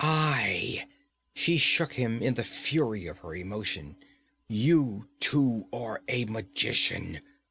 'Aye!' she shook him in the fury of her emotion. 'You too are a magician!